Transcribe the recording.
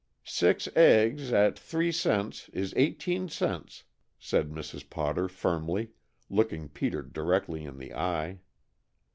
"Six eggs at three cents is eighteen cents," said Mrs. Potter firmly, looking Peter directly in the eye.